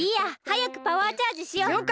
はやくパワーチャージしよう。